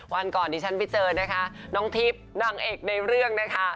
วันก่อนดิฉันไปเจอนะคะน้องทิพย์นางเอกในเรื่องนะคะ